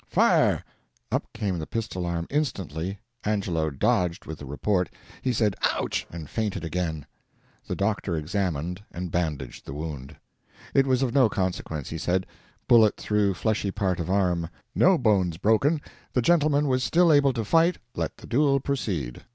"Fire !" Up came the pistol arm instantly Angelo dodged with the report. He said "Ouch!" and fainted again. The doctor examined and bandaged the wound. It was of no consequence, he said bullet through fleshy part of arm no bones broken the gentleman was still able to fight let the duel proceed.